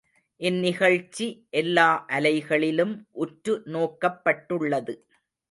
இந்நிகழ்ச்சி எல்லா அலைகளிலும் உற்று நோக்கப்பட்டுள்ளது.